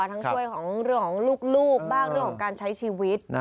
ช่วยของเรื่องของลูกบ้างเรื่องของการใช้ชีวิต